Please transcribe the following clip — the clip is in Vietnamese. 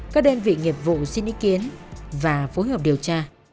các đơn vị nghiệp vụ xin ý kiến và phối hợp điều tra